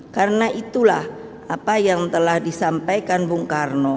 karena itulah apa yang telah disampaikan bung karno